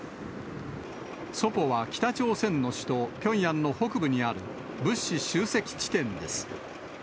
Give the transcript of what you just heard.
ソポは北朝鮮の首都ピョンヤンの北部にある、物資集積地点です。